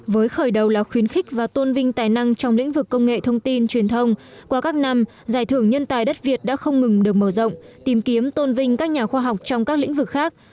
với khởi đầu là khuyến khích và tôn vinh tài năng trong lĩnh vực công nghệ thông tin truyền thông qua các năm giải thưởng nhân tài đất việt đã không ngừng được mở rộng tìm kiếm tôn vinh các nhà khoa học trong các lĩnh vực khác